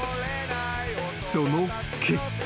［その結果］